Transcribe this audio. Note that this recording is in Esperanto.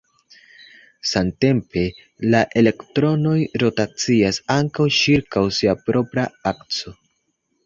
Samtempe, la elektronoj rotacias ankaŭ ĉirkaŭ sia propra akso.